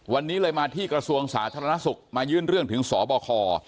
วันนี้เลยมาที่กระทรวงสาธารณสุขมายื่นเรื่องถึงสบค